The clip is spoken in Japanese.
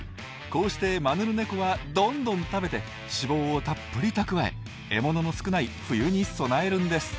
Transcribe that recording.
こうしてマヌルネコはどんどん食べて脂肪をたっぷり蓄え獲物の少ない冬に備えるんです。